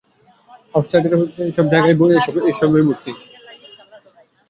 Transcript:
Out হাউজের সবজায়গায় এসবে ভর্তি।